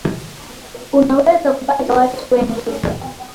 Unaweza kupata watu wengi